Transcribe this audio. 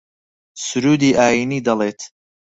سروودی ئایینی دەڵێت